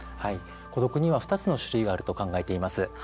孤独には２つの種類があると考えています。